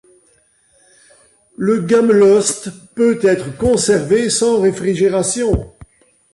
Le gammelost peut être conservé sans réfrigération.